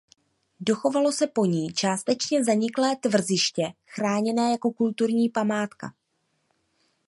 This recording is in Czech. Dochovalo se po ní částečně zaniklé tvrziště chráněné jako kulturní památka.